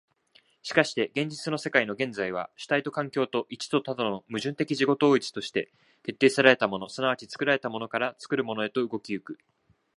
しかして現実の世界の現在は、主体と環境と、一と多との矛盾的自己同一として、決定せられたもの即ち作られたものから、作るものへと動き行く。